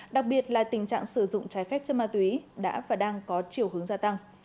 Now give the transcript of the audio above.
đặc biệt là tình trạng sử dụng trái phép chân ma túy đã và đang có chiều hướng gia tăng